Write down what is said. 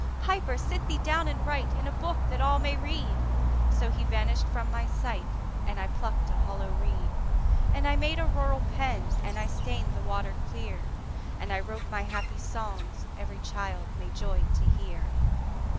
``Piper, sit thee down and write In a book, that all may read.'' So he vanish'd from my sight, And I pluck'd a hollow reed, And I made a rural pen, And I stain'd the water clear, And I wrote my happy songs, Every child may joy to hear.